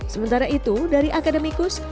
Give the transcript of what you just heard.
sementara itu dari akademikus